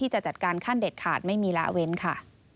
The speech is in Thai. จะจัดการขั้นเด็ดขาดไม่มีละเว้นค่ะ